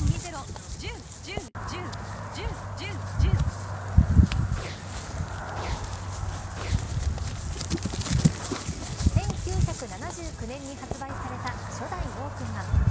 その影響で今１９７９年に発売された初代ウォークマン。